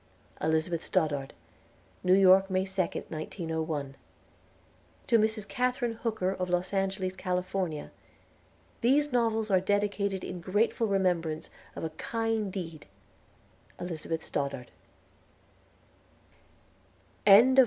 ELIZABETH STODDARD. New York, May 2nd, 1901. TO MRS. KATHARINE HOOKER OF LOS ANGELES, CALIFORNIA THESE NOVELS ARE DEDICATED IN GRATEFUL REMEMBRANCE OF A KIND DEED ELIZABETH STODDARD CHAPTER I.